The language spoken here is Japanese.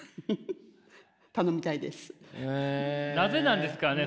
なぜなんですかね？